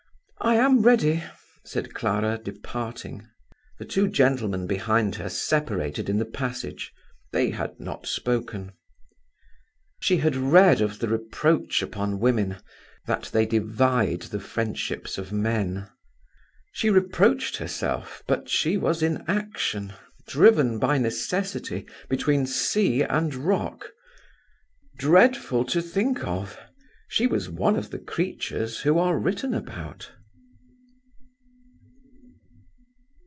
"I am ready," said Clara, departing. The two gentlemen behind her separated in the passage. They had not spoken. She had read of the reproach upon women, that they divide the friendships of men. She reproached herself but she was in action, driven by necessity, between sea and rock. Dreadful to think of! she was one of the creatures who are written about.